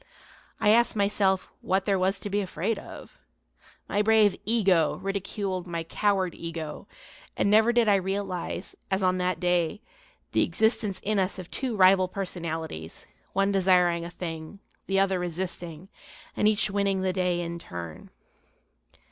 I asked myself what there was to be afraid of. My brave "ego" ridiculed my coward "ego," and never did I realize, as on that day, the existence in us of two rival personalities, one desiring a thing, the other resisting, and each winning the day in turn.